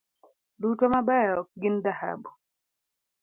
Duto mabeyo ok gin dhahabu.